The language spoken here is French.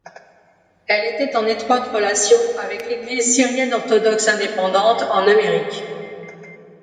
Elle était en étroite relation avec l'Église syrienne orthodoxe indépendante en Amérique.